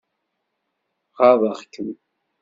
Ɣaḍeɣ-kem?